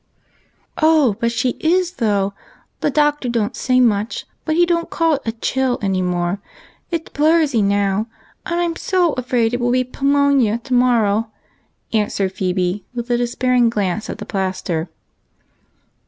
"Oh, but she is, though. The Doctor don't say much, but he don't call it a ' chill ' any more. It 's ' pleurisy ' now, and I 'm so afraid it w\\\ be jpewmonia to morrow," answered Phebe, with a despairing glance at the plaster.